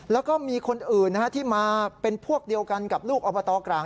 แล้วก็มีคนอื่นที่มาเป็นพวกเดียวกันกับลูกอบตกลาง